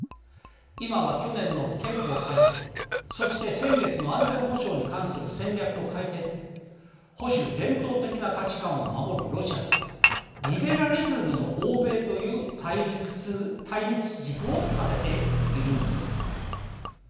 今は、去年の憲法改正そして先月の安全保障に関する戦略の改定で保守伝統的な価値観を守るロシアとリベラリズムの欧米という対立軸を立てているのです。